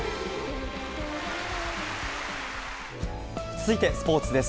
続いてスポーツです。